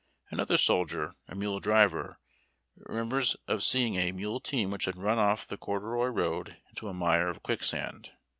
Another soldier, a mule driver, remembers of seeing a mule team which had run off the corduroy road into a mire of quicksand.